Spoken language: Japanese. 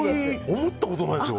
思ったことないですよ。